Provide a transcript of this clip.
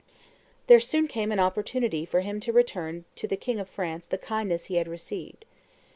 There soon came an opportunity for him to return to the king of France the kindness he had received.